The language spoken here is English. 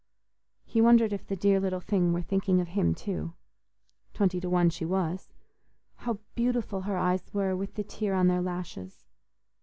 He wondered if the dear little thing were thinking of him too—twenty to one she was. How beautiful her eyes were with the tear on their lashes!